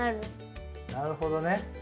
なるほどね。